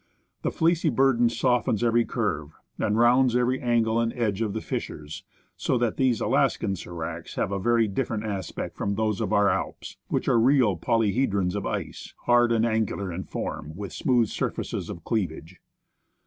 The fleecy burden softens every curve, and rounds every angle and edge of the fissures, so that these Alaskan sdracs have a very different aspect from those of our Alps, which are real polyhedrons of ice, hard and angular in form, with smooth sur faces of cleavage.